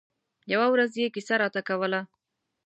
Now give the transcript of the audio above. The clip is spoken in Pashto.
يوه ورځ يې کیسه راته کوله.